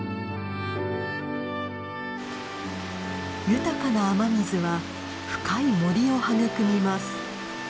豊かな雨水は深い森を育みます。